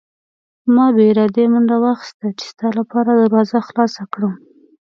ما بې ارادې منډه واخیسته چې ستا لپاره دروازه خلاصه کړم.